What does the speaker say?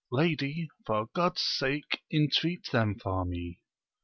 Lady, for God's sake intreat them for me